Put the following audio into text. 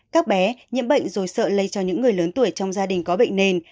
các bé nhiễm bệnh rồi sợ lây cho những người lớn tuổi trong gia đình có bệnh nền